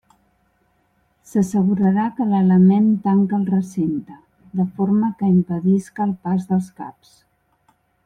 S'assegurarà que l'element tanca el recinte, de forma que impedisca el pas dels caps.